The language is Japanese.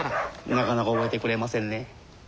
なかなか覚えてくれませんね。